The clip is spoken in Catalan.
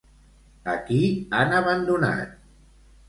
A qui han abandonat?